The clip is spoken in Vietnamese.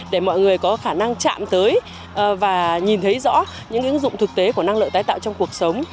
để mọi người có khả năng chạm tới và nhìn thấy rõ những ứng dụng thực tế của năng lượng tái tạo trong cuộc sống